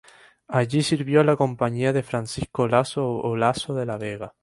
Allí sirvió en la compañía de Francisco Lasso o Lazo de la Vega.